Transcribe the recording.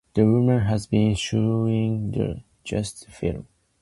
The women had been showing the Jesus film.